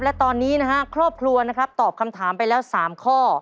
และตอนนางครอบครัวตอบคำถามไปแล้ว๓ข้อ